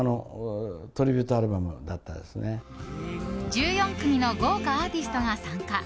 １４組の豪華アーティストが参加。